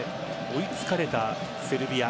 追いつかれたセルビア。